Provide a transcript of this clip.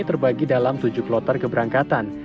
terbagi dalam tujuh kloter keberangkatan